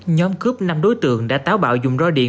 nhóm cướp năm đối tượng đã táo bạo dùng ro điện